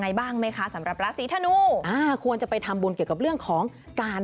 บ้างไหมคะสำหรับราศีธนูอ่าควรจะไปทำบุญเกี่ยวกับเรื่องของการ